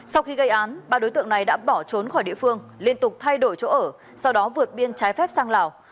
sau khi gây án ba đối tượng này đã bỏ trốn khỏi địa phương liên tục thay đổi chỗ ở sau đó vượt biên trái phép sang lào